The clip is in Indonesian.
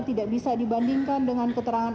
tidak bisa dibandingkan dengan keterangan